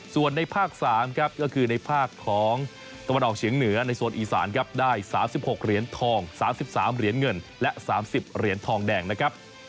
ส่วนในภาค๓ครับก็คือในภาคของตะวันออกเฉียงเหนือในโซนอีสานครับได้๓๖เหรียญทอง๓๓เหรียญเงินและ๓๐เหรียญทองแดงนะครับ